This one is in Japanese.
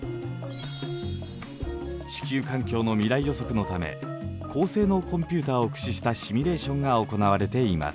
地球環境の未来予測のため高性能コンピューターを駆使したシミュレーションが行われています。